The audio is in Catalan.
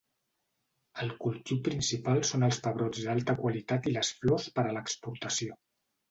El cultiu principal són els pebrots d'alta qualitat i les flors per a l'exportació.